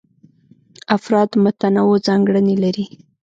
افراد متنوع ځانګړنې لري.